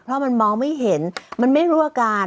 เพราะมันมองไม่เห็นมันไม่รู้อาการ